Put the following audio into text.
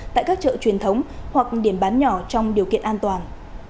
tại các chợ truyền thống hoặc điểm bán nhỏ trong điều kiện an toàn